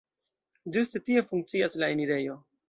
Ĝuste tie funkcias la enirejo.